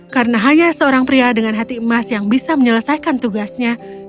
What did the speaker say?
karena hanya seorang pria dengan hati emas yang bisa menyelesaikan tugasnya